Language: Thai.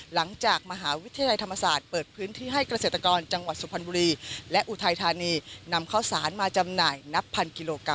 หลังจากมหาวิทยาลัยธรรมศาสตร์เปิดพื้นที่ให้เกษตรกรจังหวัดสุพรรณบุรีและอุทัยธานีนำข้าวสารมาจำหน่ายนับพันกิโลกรั